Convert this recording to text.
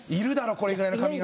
これぐらいの髪形